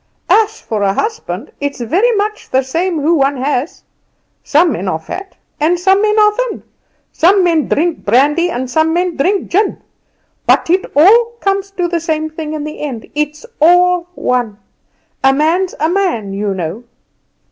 As for a husband, it's very much the same who one has. Some men are fat, and some men are thin; some men drink brandy, and some men drink gin; but it all comes to the same thing in the end; it's all one. A man's a man, you know."